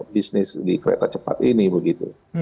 bisnis di kereta cepat ini begitu